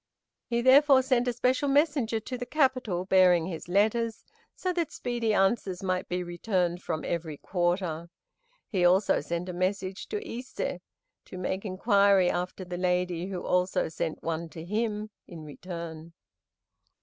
He, therefore, sent a special messenger to the capital bearing his letters, so that speedy answers might be returned from every quarter. He also sent a messenger to Ise to make inquiry after the lady, who also sent one to him in return.